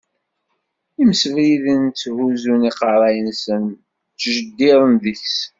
Imsebriden tthuzzun iqerra-nsen, ttjeddiren deg-s.